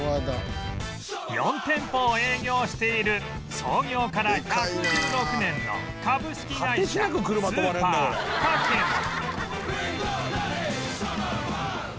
４店舗を営業している創業から１１６年の株式会社スーパーカケモ